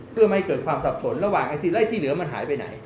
เพื่อไม่ให้เกิดความสับสนระหว่างไอซีไล่ที่เหลือมันหายไปไหน